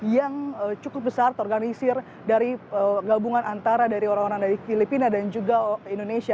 yang cukup besar terorganisir dari gabungan antara dari orang orang dari filipina dan juga indonesia